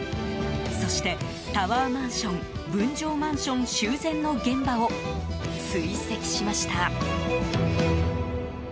そして、タワーマンション分譲マンション修繕の現場を追跡しました。